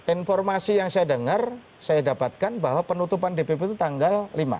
informasi yang saya dengar saya dapatkan bahwa penutupan dpp itu tanggal lima